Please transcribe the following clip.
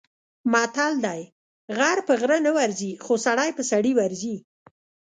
متل دی: غر په غره نه ورځي، خو سړی په سړي ورځي.